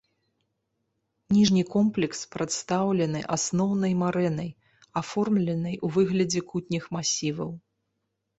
Ніжні комплекс прадстаўлены асноўнай марэнай, аформленай у выглядзе кутніх масіваў.